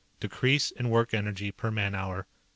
Decrease in work energy per man hour.